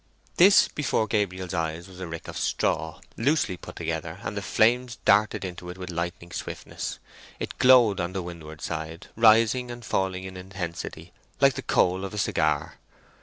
This before Gabriel's eyes was a rick of straw, loosely put together, and the flames darted into it with lightning swiftness. It glowed on the windward side, rising and falling in intensity, like the coal of a cigar.